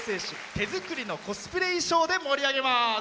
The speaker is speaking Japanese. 手作りのコスプレ衣装で盛り上げます。